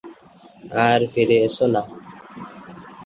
পারিবারিক প্রতিষ্ঠাতা এবং তার ভাই দেওবন্দি প্রচারক ছিলেন।